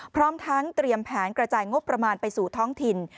พร้อมทั้งเตรียมแผนกระจายงบประมาณไปสู่ท้องถิ่น